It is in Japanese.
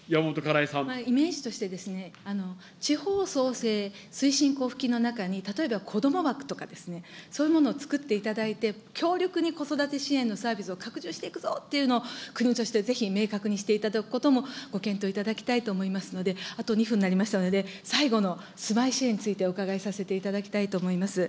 イメージとして、地方創生推進交付金の中に、例えばこども枠とか、そういうものをつくっていただいて、強力に子育て支援のサービスを拡充していくぞっていうのを、国としてぜひ明確にしていただくこともご検討いただきたいと思いますので、あと２分になりましたので、最後の住まい支援についてお伺いさせていただきたいと思います。